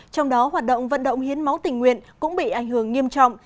trong đó hoạt động vận động hiến máu tình nguyện cũng bị ảnh hưởng nghiêm trọng